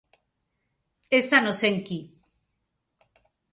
Esan ozenki